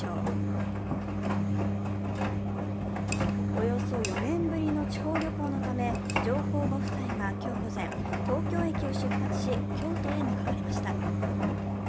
およそ４年ぶりの地方旅行のため上皇ご夫妻が今日午前、東京駅を出発し、京都へ向かわれました。